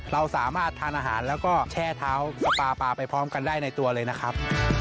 เราสามารถทานอาหารแล้วก็แช่เท้าสปาปลาไปพร้อมกันได้ในตัวเลยนะครับ